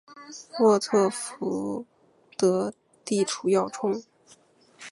沃特福德地处要冲。